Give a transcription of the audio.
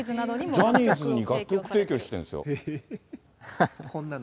ジャニーズに楽曲提供してるんですよ。